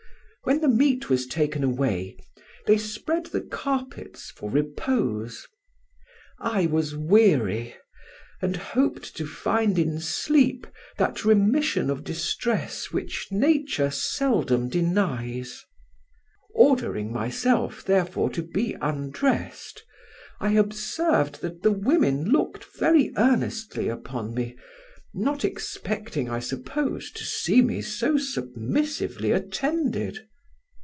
When the meat was taken away, they spread the carpets for repose. I was weary, and hoped to find in sleep that remission of distress which nature seldom denies. Ordering myself, therefore, to be undressed, I observed that the women looked very earnestly upon me, not expecting, I suppose, to see me so submissively attended.